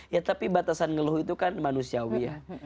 ya tapi batasan ngeluh itu kan manusiawi ya